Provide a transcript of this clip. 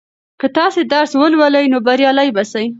که تاسې درس ولولئ نو بریالي به سئ.